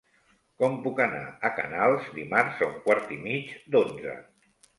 Com puc anar a Canals dimarts a un quart i mig d'onze?